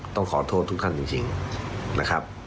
ต้องขอโทษทุกท่านจริงนะครับ